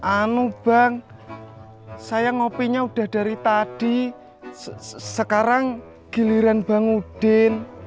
anu bang saya ngopinya udah dari tadi sekarang giliran bang udin